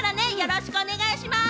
よろしくお願いします。